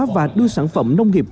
và đưa sản phẩm nông nghiệp